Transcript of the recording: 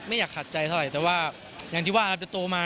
อยากขัดใจเท่าไหร่แต่ว่าอย่างที่ว่าเราจะโตมา